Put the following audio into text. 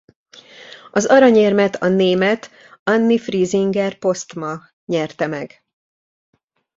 Az aranyérmet a német Anni Friesinger-Postma nyerte meg.